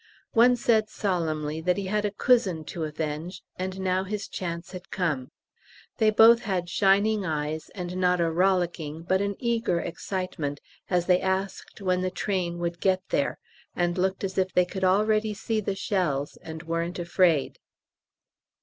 One said solemnly that he had a "coosin" to avenge, and now his chance had come. They both had shining eyes, and not a rollicking but an eager excitement as they asked when the train would get "there," and looked as if they could already see the shells and weren't afraid.